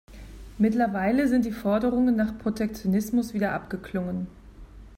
Mittlerweile sind die Forderungen nach Protektionismus wieder abgeklungen.